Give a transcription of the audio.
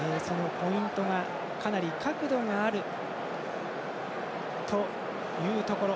ポイントがかなり角度があるというところ。